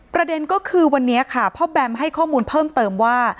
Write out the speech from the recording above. ประเด็นก็คือวันนี้ค่ะพ่อแบมให้ข้อมูลเพิ่มเติมว่า